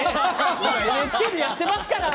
今、ＮＨＫでやってますから！